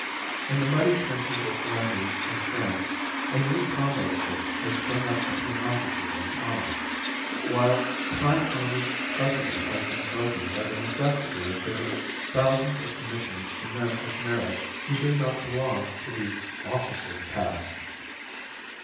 In the muddy trenches of Flanders and France a new comradeship has sprung up between officers and Tommies, while time honoured precedent has been broken by the necessity of giving thousands of commissions to men of merit who do not belong to the "officer caste."